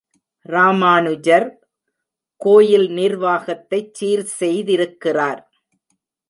ராமானுஜர், கோயில் நிர்வாகத்தைச் சீர்செய்திருக்கிறார்.